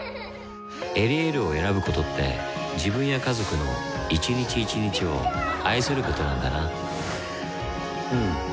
「エリエール」を選ぶことって自分や家族の一日一日を愛することなんだなうん。